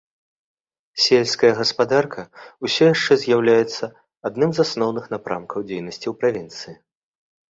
Сельская гаспадарка ўсё яшчэ з'яўляецца адным з асноўных напрамкаў дзейнасці ў правінцыі.